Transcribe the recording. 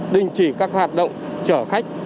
đình chỉ các hoạt động trở khách